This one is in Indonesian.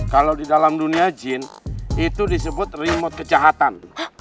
kalau di dalam dunia jin itu disebut remote kejahatan